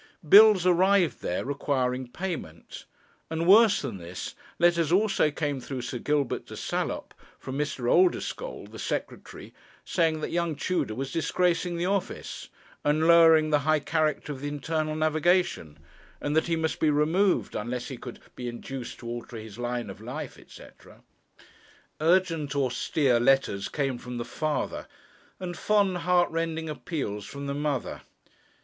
Bills arrived there requiring payment; and worse than this, letters also came through Sir Gilbert de Salop from Mr. Oldeschole, the Secretary, saying that young Tudor was disgracing the office, and lowering the high character of the Internal Navigation; and that he must be removed, unless he could be induced to alter his line of life, &c. Urgent austere letters came from the father, and fond heart rending appeals from the mother.